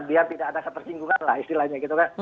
biar tidak ada ketersinggungan lah istilahnya gitu kan